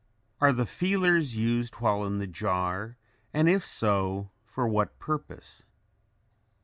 Are the feelers used while in the jar, and if so for what purpose?